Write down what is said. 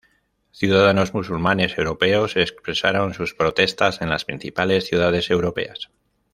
Ciudadanos musulmanes europeos expresaron sus protestas en las principales ciudades europeas.